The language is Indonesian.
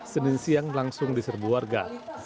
senin siang langsung diserbu warga